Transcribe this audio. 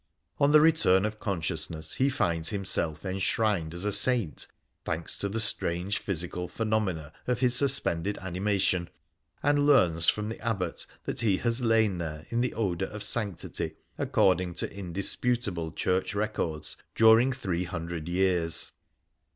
On the return of consciousness he finds himself enshrined as a saint, thanks to the strange physical phenomena of his suspended animation, and learns from the Abbot that he has lain there in the odour of sanctity, according to indisputable church records, during 800 years.